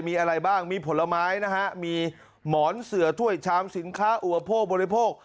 มีอะไรบ้างมีผลไม้นะฮะมีหมอนเสือถ้วยชามสินค้าอุปโภคบริโภค